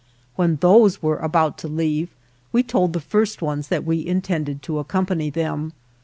When those were about to leave we told the first ones that we intended to accompany them.